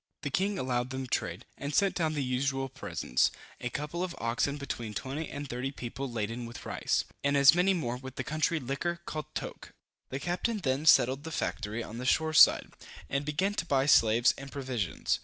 The king allowed them trade, and sent down the usual presents, a couple of oxen between twenty and thirty people laden with rice, and as many more with the country liquor, called toke. The captain then settled the factory on the shore side, and began to buy slaves and provisions.